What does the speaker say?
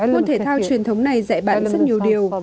môn thể thao truyền thống này dạy bạn rất nhiều điều